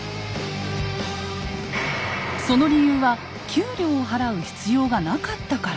その理由は給料を払う必要がなかったから。